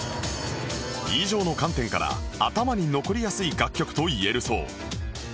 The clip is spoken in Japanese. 以上の観点から頭に残りやすい楽曲といえるそう